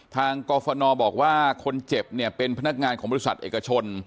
กรฟนบอกว่าคนเจ็บเนี่ยเป็นพนักงานของบริษัทเอกชน